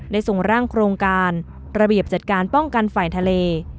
ส่งร่างโครงการระเบียบจัดการป้องกันฝ่ายทะเล